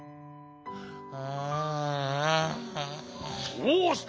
どうした？